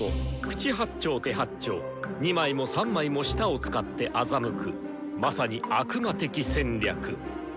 口八丁手八丁二枚も三枚も舌を使って欺くまさに悪魔的戦略。